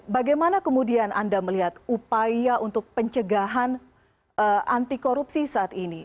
bagaimana kemudian anda melihat upaya untuk pencegahan anti korupsi saat ini